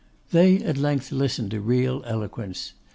They at length listened to real eloquence.